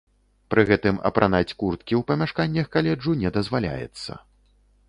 Пры гэтым апранаць курткі ў памяшканнях каледжу не дазваляецца.